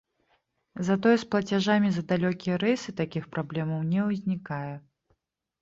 Затое з плацяжамі за далёкія рэйсы такіх праблемаў не ўзнікае.